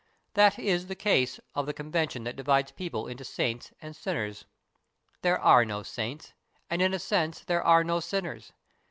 That is the case of the convention that divides people into saints and sinners. There are no saints, and in a sense there are no sinners.